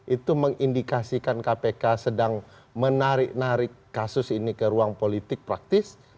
itu mengindikasikan kpk sedang menarik narik kasus ini ke ruang politik praktis